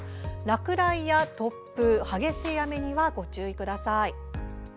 落雷や突風激しい雨にはご注意ください。